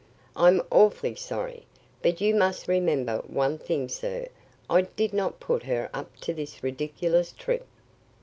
"I'm awfully sorry. But, you must remember one thing, sir; I did not put her up to this ridiculous trip.